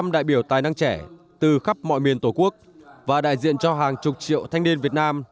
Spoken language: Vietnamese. một trăm linh đại biểu tài năng trẻ từ khắp mọi miền tổ quốc và đại diện cho hàng chục triệu thanh niên việt nam